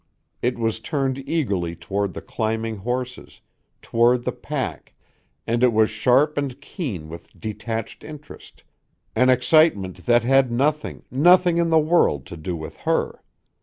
It was turned eagerly toward the climbing horses, toward the pack, and it was sharp and keen with detached interest, an excitement that had nothing, nothing in the world to do with her.